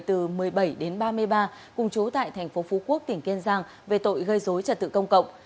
từ một mươi bảy đến ba mươi ba cùng chú tại thành phố phú quốc tỉnh kiên giang về tội gây dối trật tự công cộng